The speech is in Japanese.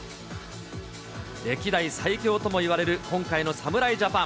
歴代最強ともいわれる今回の侍ジャパン。